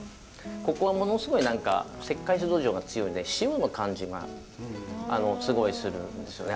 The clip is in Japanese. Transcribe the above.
ここはものすごい何か石灰質土壌が強いので塩の感じがすごいするんですよね。